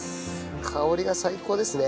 香りが最高ですね。